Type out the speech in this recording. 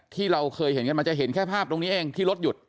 ที่เราเคยเห็นกันมาจะเห็นแค่ภาพตรงนี้เองที่รถหยุด